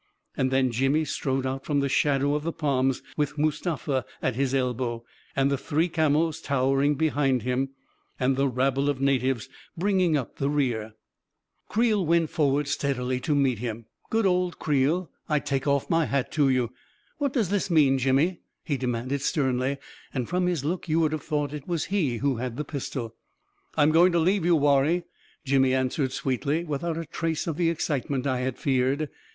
. And then Jimmy strode out from the shadow of the palms, with Mustafa at his elbow, and the three camels towering behind him, and the rabble of na tives bringing up the rear. A KING IN BABYLON, 381 Creel went forward steadily to meet him. Good old Creel — I take off my hat to you I "What does this mean, Jimmy?" he demanded sternly, and from his look you would have thought it was he who had the pistol. II I'm going to leave you, Warrie," Jimmy an swered sweetly, without a trace of the excitement I had feared.